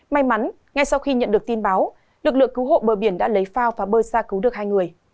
may mắn ngay sau khi nhận được tin báo lực lượng cứu hộ bờ biển đã lấy phao và bơi ra cứu được hai người